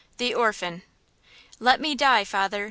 THE ORPHAN. "Let me die, father!